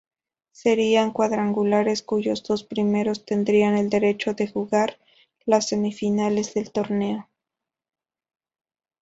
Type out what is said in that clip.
Serían cuadrangulares cuyos dos primeros tendrían el derecho de jugar las semifinales del torneo.